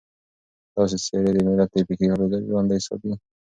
داسې څېرې د ملت فکري حافظه ژوندۍ ساتي.